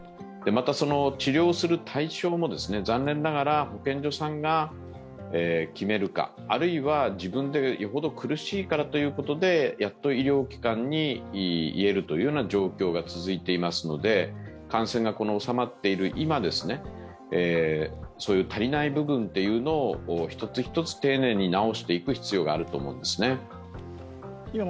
また治療する対象も残念ながら保健所さんが決めるか、あるいは自分でよほど苦しいからということでやっと医療機関に言えるというような状況が続いていますので感染が収まっている今、そういう足りない部分を一つ一つ丁寧に直していく必要があると思うんですね。